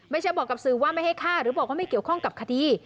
ไม่ใช่บอกกับสื่อว่าไม่ให้ฆ่าหรือบอกว่าไม่เกี่ยวข้องกับคดี